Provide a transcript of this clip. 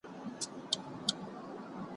رنګونه او ډیزاین یې زړه راښکونکي دي.